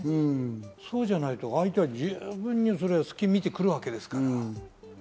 そうじゃないと相手は十分に隙を見てくるわけですから。